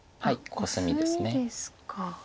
コスミですか。